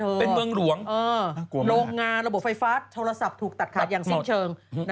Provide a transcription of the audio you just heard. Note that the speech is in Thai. เป็นเมืองหลวงโรงงานระบบไฟฟ้าโทรศัพท์ถูกตัดขาดอย่างสิ้นเชิง